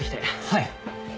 はい。